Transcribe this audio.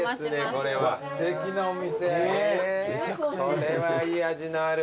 これはいい味のある。